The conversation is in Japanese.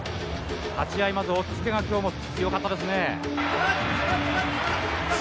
立ち合い、まずおっつけがきょうも強かったですね。